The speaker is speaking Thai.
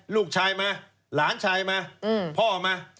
ลูกชายมาหลานชายมาพ่อมา